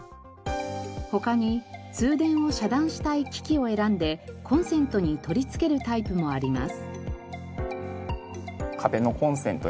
他に通電を遮断したい機器を選んでコンセントに取り付けるタイプもあります。